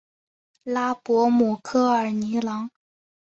拉博姆科尔尼朗。